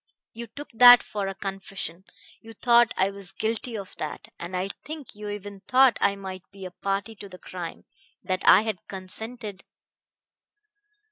You took that for a confession; you thought I was guilty of that, and I think you even thought I might be a party to the crime, that I had consented....